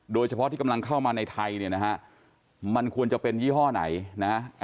โดยเฉพาะที่กำลังเข้ามาในไทยเนี่ยนะฮะมันควรจะเป็นยี่ห้อไหนนะฮะ